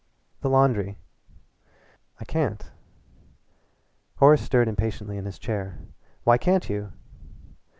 "The laundry." "I can't." Horace stirred impatiently in his chair. "Why can't you?"